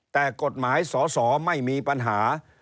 แต่กฎหมายสอสอไม่มีปัญหา